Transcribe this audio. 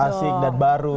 asik dan baru